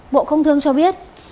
bộ công thương cho biết